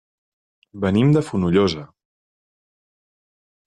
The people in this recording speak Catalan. Venim de Fonollosa.